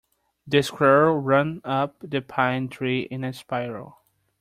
The squirrel ran up the pine tree in a spiral.